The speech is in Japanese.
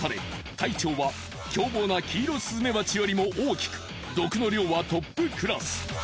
体長は凶暴なキイロスズメバチよりも大きく毒の量はトップクラス。